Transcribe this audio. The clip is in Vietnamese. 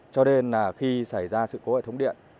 cho nên là khi xảy ra sự cố hệ thống điện